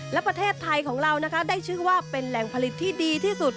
และประเทศไทยของเรานะคะได้ชื่อว่าเป็นแหล่งผลิตที่ดีที่สุด